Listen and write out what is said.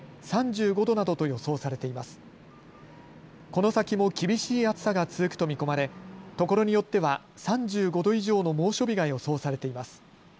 この先も厳しい暑さが続くと見込まれところによっては３５度以上の猛暑日が予想されています。